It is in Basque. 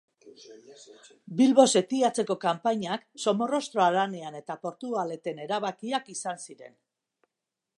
Bilbo setiatzeko kanpainak, Somorrostro Haranean eta Portugaleten erabakiak izan ziren.